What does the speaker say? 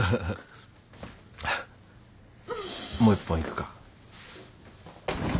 もう一本いくか。